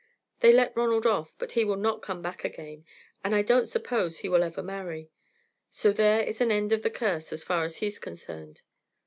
They let Ronald off, but he will not come back again, and I don't suppose he will ever marry; so there is an end of the curse as far as he's concerned.